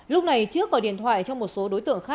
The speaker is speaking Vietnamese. lúc này trước gọi điện thoại cho một số đối tượng khác